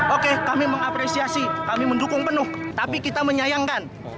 oke kami mengapresiasi kami mendukung penuh tapi kita menyayangkan